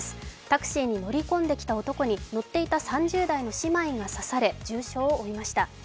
タクシーに乗り込んできた男に乗っていた３０代の姉妹が刺され、重傷を負いました。